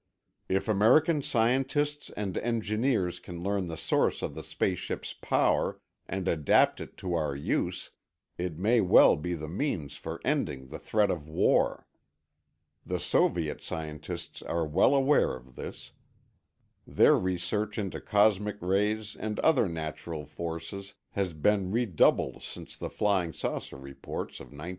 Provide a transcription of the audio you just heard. If American scientists and engineers can learn the source of the space ships' power and adapt it to our use, it may well be the means for ending the threat of war. The Soviet scientists are well aware of this; their research into cosmic rays and other natural forces has been redoubled since the flying saucer reports of 1947.